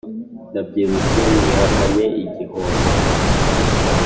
nabyirutse nihakanye igihombo